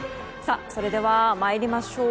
それでは参りましょう。